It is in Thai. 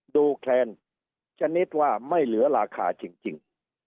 แคลนชนิดว่าไม่เหลือราคาจริง